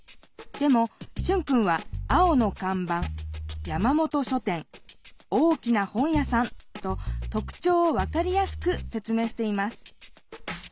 でもシュンくんは「青のかんばん」「山本書店」「大きな本屋さん」ととくちょうを分かりやすく説明しています